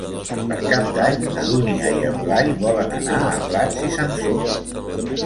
Per Cap d'Any na Dúnia i en Blai volen anar a Prats i Sansor.